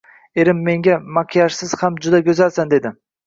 - Erim menga "Makiyajsiz ham juda go'zalsan!" - dedi!